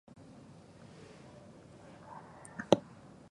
感触を確かめると、僕は尻ポケットに機械を入れた